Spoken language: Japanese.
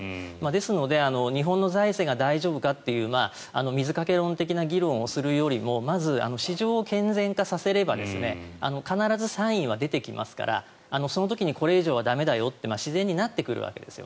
ですので、日本の財政が大丈夫かという水掛け論的な議論をするよりもまず、市場を健全化させれば必ずサインは出てきますからその時にこれ以上は駄目だよと自然になってくるわけです。